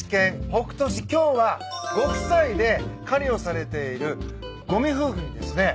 今日はご夫妻で狩りをされている五味夫婦にですね